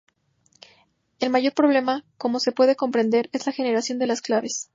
El mayor problema, como se puede comprender, es la generación de las claves.